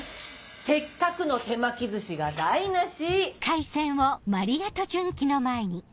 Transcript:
せっかくの手巻き寿司が台無し。